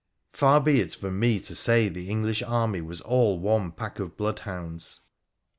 Far be it from me to say the English army was all one pack of bloodhounds.